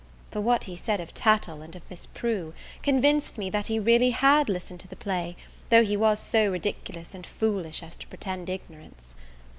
for what he said of Tattle and of Miss Prue, convinced me that he really had listened to the play, though he was so ridiculous and foolish as to pretend ignorance.